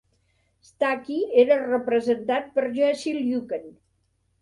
Staky era representat per Jesse Luken.